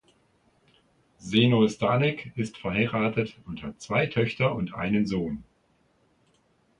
Zeno Stanek ist verheiratet und hat zwei Töchter und einen Sohn.